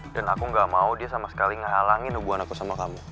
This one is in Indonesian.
dan aku gak mau dia sama sekali ngehalangin hubungan aku sama kamu